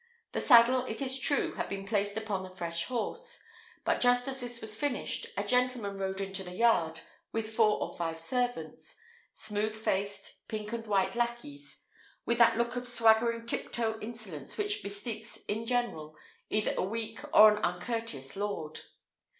The saddle, it is true, had been placed upon the fresh horse; but just as this was finished, a gentleman rode into the yard with four or five servants smooth faced, pink and white lackeys with that look of swaggering tiptoe insolence which bespeaks, in general, either a weak or an uncourteous lord.